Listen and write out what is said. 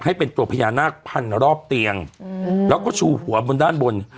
ให้เป็นตัวพญานาคพันรอบเตียงแล้วก็ชูหัวบนด้านบน